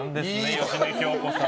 芳根京子さん。